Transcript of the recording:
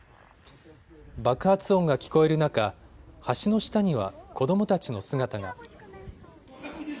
爆発音が聞こえる中、橋の下には子どもたちの姿が。